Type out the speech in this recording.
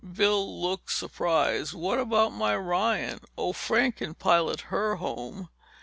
Bill looked surprised. "What about my Ryan?" "Oh, Frank can pilot her home."